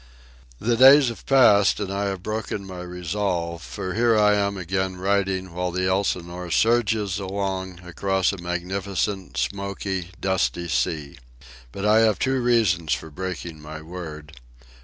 The days have passed and I have broken my resolve; for here I am again writing while the Elsinore surges along across a magnificent, smoky, dusty sea. But I have two reasons for breaking my word.